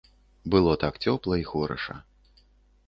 Было так цёпла і хораша.